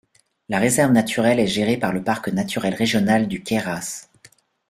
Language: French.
La réserve naturelle est gérée par le Parc naturel régional du Queyras.